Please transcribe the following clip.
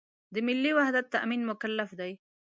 د ملي وحدت تأمین مکلف دی.